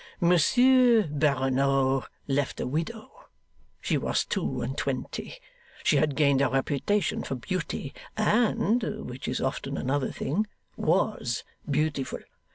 'Monsieur Barronneau left a widow. She was two and twenty. She had gained a reputation for beauty, and (which is often another thing) was beautiful.